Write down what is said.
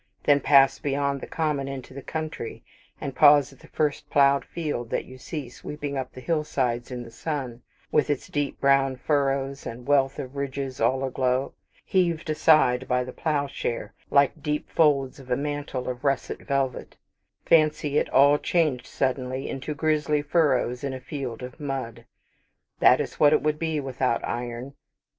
Then pass beyond the common into the country, and pause at the first ploughed field that you see sweeping up the hill sides in the sun, with its deep brown furrows, and wealth of ridges all a glow, heaved aside by the ploughshare, like deep folds of a mantle of russet velvet fancy it all changed suddenly into grisly furrows in a field of mud. That is what it would be without iron.